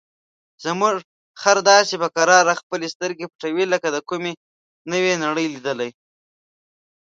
زموږ خر داسې په کراره خپلې سترګې پټوي لکه د کومې نوې نړۍ لیدل.